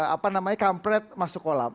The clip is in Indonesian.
apa namanya kampret masuk kolam